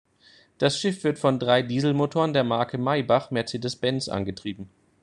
Das Schiff wird von drei Dieselmotoren der Marke Maybach-Mercedes-Benz angetrieben.